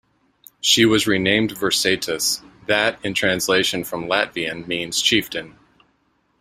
She was renamed "Virsaitis", that in translation from Latvian means "Chieftain".